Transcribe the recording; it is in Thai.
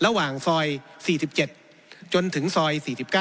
ระหว่างซอย๔๗จนถึงซอย๔๙